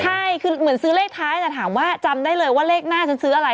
ใช่คือเหมือนซื้อเลขท้ายแต่ถามว่าจำได้เลยว่าเลขหน้าฉันซื้ออะไร